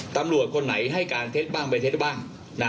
ตำรวจคนไหนให้การเท็จบ้างไปเท็จบ้าง